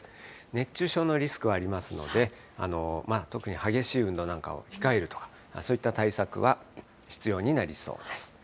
熱中症のリスクはありますので、特に激しい運動なんかを控えるとか、そういった対策は必要になりそうです。